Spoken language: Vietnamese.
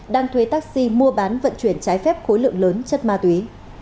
đang thuê taxi mua bán vận chuyển trái phép khối lượng lớn chất ma túy